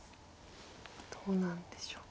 どうなんでしょうか。